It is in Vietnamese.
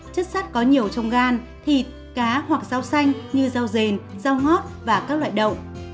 chất sắt có nhiều trong gan thịt cá hoặc rau xanh như rau dền rau ngót và các loại đậu